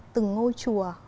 từng ngôi chùa